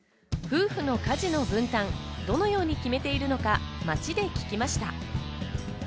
夫婦の家事の分担、どのように決めているのか街で聞きました。